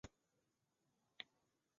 袁彬人。